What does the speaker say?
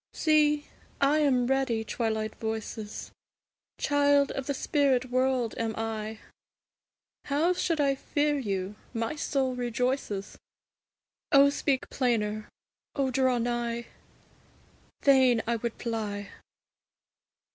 See, I am ready, Twilight voices! Child of the spirit world am I; How should I fear you? my soul rejoices, O speak plainer! O draw nigh! Fain would I fly!